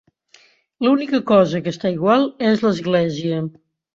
L'única cosa que està igual és l'església.